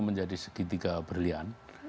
menjadi segitiga berlian